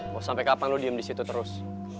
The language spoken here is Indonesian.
mau sampe kapan lo diem disitu terus